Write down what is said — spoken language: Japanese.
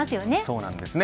そうなんですね。